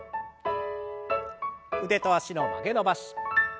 腕と脚の曲げ伸ばし。